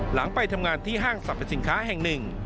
ไปทำงานที่ห้างสรรพสินค้าแห่งหนึ่ง